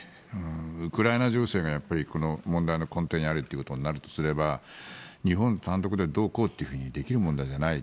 ウクライナ情勢がこの問題の根底にあるということになるとすれば日本単独でどうこうできる問題じゃない。